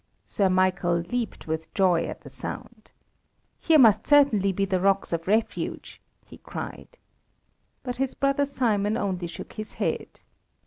Sir Michael leaped with joy at the sound. "Here must certainly be the Rocks of Refuge," he cried. But his brother Simon only shook his head.